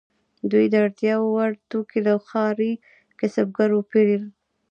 دوی د اړتیا وړ توکي له ښاري کسبګرو پیرل.